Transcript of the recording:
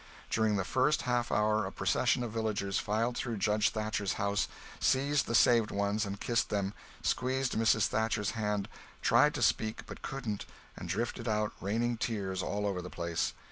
During the first half hour a procession of villagers filed through Judge Thatcher's house, seized the saved ones and kissed them, squeezed Mrs. Thatcher's hand, tried to speak but couldn't—and drifted out raining tears all over the place.